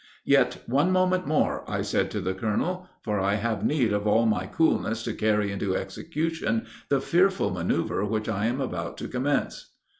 "'Yet one moment more,' I said to the colonel, for I have need of all my coolness to carry into execution the fearful manoeuver which I am about to commence."